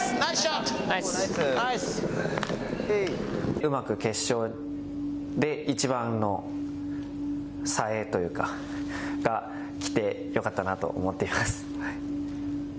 うまく決勝でいちばんのさえというか来てよかったなと思っています。